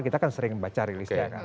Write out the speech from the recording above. kita kan sering baca rilisnya kan